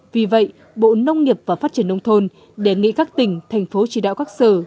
vì vậy bộ nông nghiệp và phát triển nông thôn đề nghị các tỉnh thành phố chỉ đạo các sở